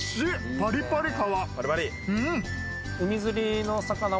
パリパリ皮。